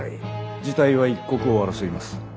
事態は一刻を争います。